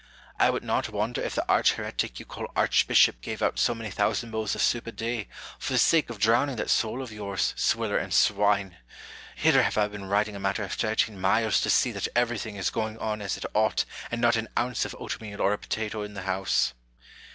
" I would not wonder if the arch heretic you call archbishop gave out so many thousand bowls of soup a day, for the sake of drown ing that soul of yours, swiller and swine ! Hither have I been riding a matter of thirteen miles, to see that every thing is going on as it ought, and not an ounce of oatmeal or a potato in the house."